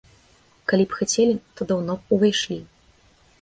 Калі б хацелі, то даўно б ўвайшлі.